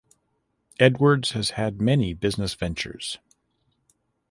Edwards has had many business ventures.